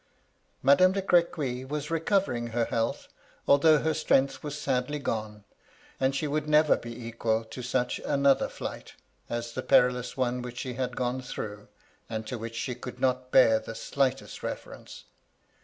Madame de Crequy was recovering her health, although her strength was sadly gone, and she would never be equal to such another flight, as the perilous one which she had gone through, and to which she could not bear the slightest reference.